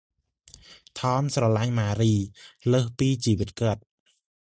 ថម ស្រលាញ់ ម៉ារី លើសពីជីវិតគាត់ ។